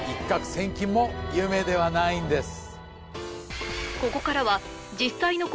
千金も夢ではないんです